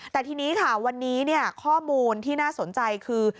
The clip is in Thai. แต่ทีนี้ค่ะวันนี้ข้อมูลที่น่าสนใจคือ